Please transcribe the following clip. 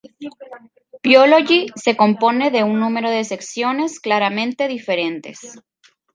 Biology se compone de un número de secciones claramente diferentes.